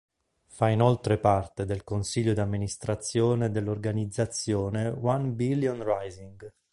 Fa inoltre parte del CdA dell'organizzazione One Billion Rising.